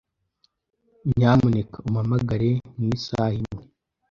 Nyamuneka umpamagare mu isaha imwe.